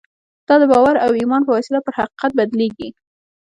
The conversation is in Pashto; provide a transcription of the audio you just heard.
دا د باور او ایمان په وسیله پر حقیقت بدلېږي